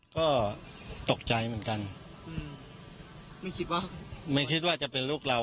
ก็ตกใจเหมือนกันไม่คิดว่าจะเป็นลูกเรา